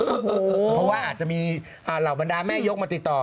เพราะว่าอาจจะมีเหล่าบรรดาแม่ยกมาติดต่อ